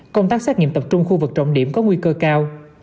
công tác xét nghiệm tập trung khu vực trọng điểm có nguy cơ cao